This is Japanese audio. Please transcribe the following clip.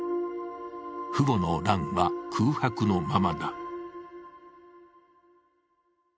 父母の欄は空白のままだ。